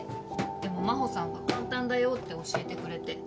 でも真帆さんが「簡単だよ」って教えてくれて。